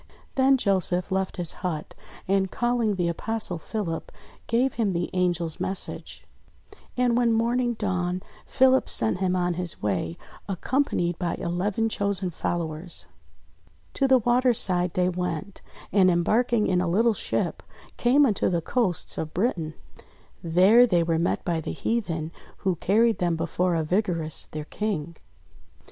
Then Joseph left his hut and calling the Apostle Philip, gave him the Angel's message. And, when morning dawned, Philip sent him on his way, accompanied by eleven chosen followers. To the water's side they went, and embarking in a little ship, came unto the coasts of Britain. There they were met by the heathen, who carried them before Arvigarus their King.